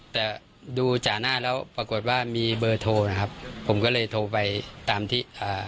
แต่ดูจากหน้าแล้วปรากฏว่ามีเบอร์โทรนะครับผมก็เลยโทรไปตามที่อ่า